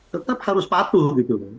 tetap harus patuh gitu